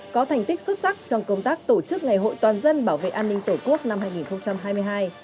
có thành tích xuất sắc trong công tác tổ chức ngày hội toàn dân bảo vệ an ninh tổ quốc năm hai nghìn hai mươi hai